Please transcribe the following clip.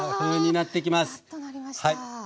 しなっとなりました。